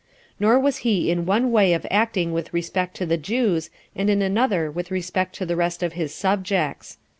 Nor was he in one way of acting with respect to the Jews, and in another with respect to the rest of his subjects.